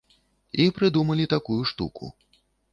І прыдумалі такую штуку.